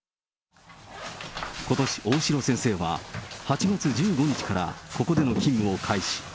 ことし、大城先生は、８月１５日からここでの勤務を開始。